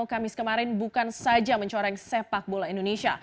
kamis kemarin bukan saja mencoreng sepak bola indonesia